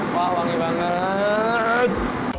wah wangi banget